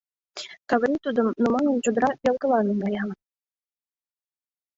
Каврий тудым, нумалын, чодыра велкыла наҥгая...